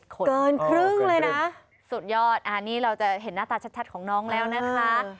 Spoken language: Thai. เกินครึ่งเลยนะสุดยอดอันนี้เราจะเห็นหน้าตาชัดของน้องแล้วนะคะ